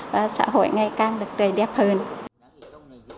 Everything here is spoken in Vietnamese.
và xã hội ngày càng được gây đẹp hơn